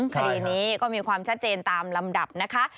คดีนี้ก็มีความชัดเจนตามลำดับนะคะ